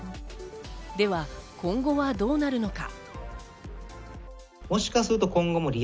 では今後はどうなるのか。